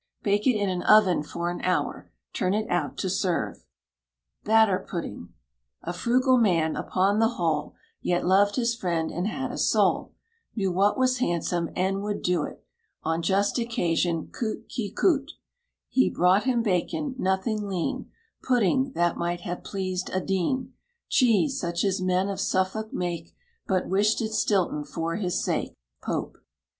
Bake it in an oven for an hour. Turn it out to serve. BATTER PUDDING. A frugal man, upon the whole, Yet loved his friend, and had a soul; Knew what was handsome, and would do't On just occasion, coûte qui coûte. He brought him bacon (nothing lean); Pudding, that might have pleased a dean; Cheese, such as men of Suffolk make, But wished it Stilton for his sake. POPE.